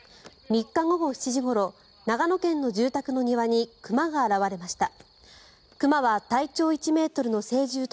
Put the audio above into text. ３日午後７時ごろ長野県の住宅の庭に熊が現れました。